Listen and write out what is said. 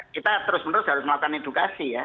kita terus menerus harus melakukan edukasi ya